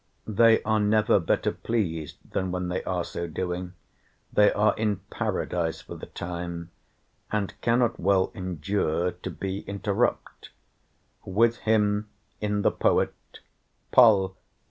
They are never better pleased than when they are so doing; they are in Paradise for the time, and cannot well endure to be interrupt; with him in the Poet: " pol!